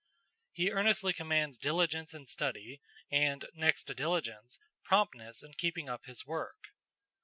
He earnestly commends diligence in study, and, next to diligence, promptness in keeping up his work.